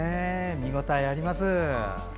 見応えあります。